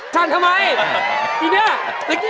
จำน่าออกอีกแล้ว